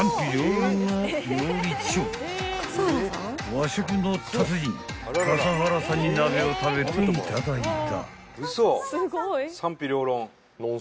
［和食の達人笠原さんに鍋を食べていただいた］